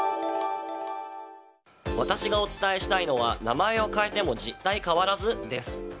私がお伝えしたいのは名前を変えても実態変わらず？です。